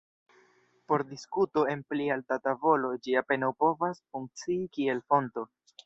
Por diskuto en pli alta tavolo, ĝi apenaŭ povas funkcii kiel fonto.